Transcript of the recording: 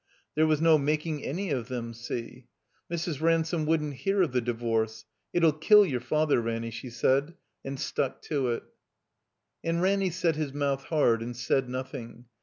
There was no making any of them see. Mrs. Ransome wouldn't hear of the divorce. "It 'U kill your Father, Ranny," she said, and stuck to it. And Ranny set his mouth hard and said nothing.